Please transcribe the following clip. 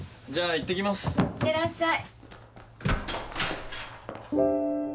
いってらっしゃい。